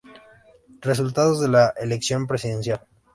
Resultados de las elecciones presidencial